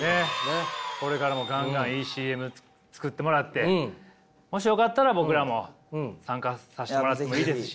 これからもガンガンいいＣＭ作ってもらってもしよかったら僕らも参加させてもらってもいいですし。